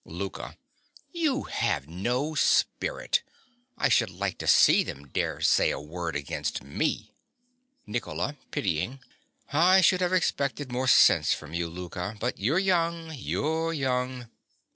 LOUKA. You have no spirit. I should like to see them dare say a word against me! NICOLA. (pityingly). I should have expected more sense from you, Louka. But you're young, you're young!